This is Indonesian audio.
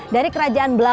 dari kerajaan belawang